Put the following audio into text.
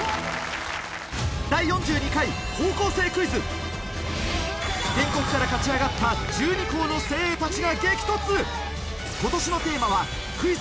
⁉『第４２回高校生クイズ』全国から勝ち上がった１２校の精鋭たちが激突！